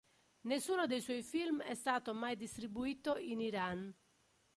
Nessuno dei suoi film è stato mai distribuito in Iran.